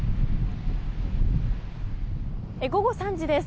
午後３時です。